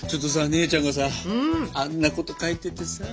姉ちゃんがさあんなこと書いててさ。